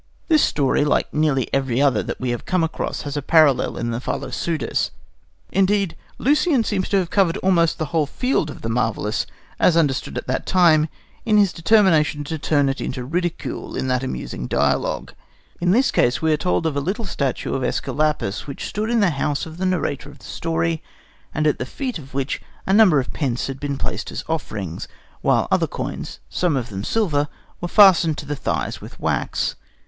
This story, like nearly every other that we have come across, has a parallel in the Philopseudus. Indeed, Lucian seems to have covered almost the whole field of the marvellous, as understood at that time, in his determination to turn it into ridicule in that amusing dialogue. In this case we are told of a little statue of Æsculapius, which stood in the house of the narrator of the story, and at the feet of which a number of pence had been placed as offerings, while other coins, some of them silver, were fastened to the thighs with wax.